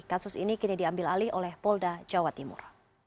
kasus ini kini diambil alih oleh polda jawa timur